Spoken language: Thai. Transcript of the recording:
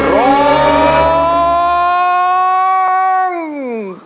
ร้อง